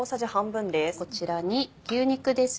こちらに牛肉です。